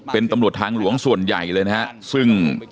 เป็นตำรวจทางหลวงส่วนใหญ่เลยนะฮะซึ่ง